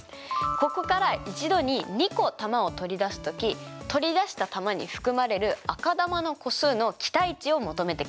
ここから一度に２個球を取り出す時取り出した球に含まれる赤球の個数の期待値を求めてください。